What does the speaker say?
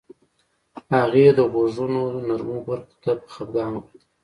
هغې د غوږونو نرمو برخو ته په خفګان وکتل